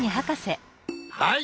はい。